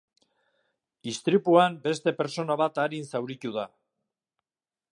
Istripuan beste pertsona bat arin zauritu da.